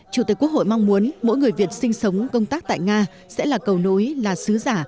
chủ tịch quốc hội mong muốn mỗi người việt sinh sống công tác tại nga sẽ là cầu nối là sứ giả